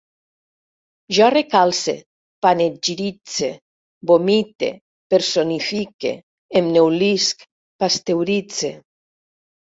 Jo recalce, panegiritze, vomite, personifique, em neulisc, pasteuritze